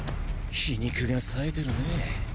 皮肉が冴えてるね。